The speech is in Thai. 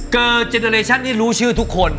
เกิร์จเจนเดร์เรชั่นนี่รู้ชื่อทุกคน